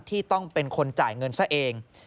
ที่ต้องเป็นคนจ่ายเงินซะเอง